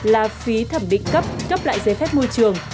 là phí thẩm định cấp cấp lại giấy phép môi trường